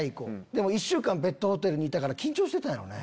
でも１週間ペットホテルにいたから緊張してたんやろね。